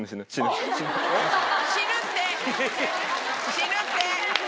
死ぬって。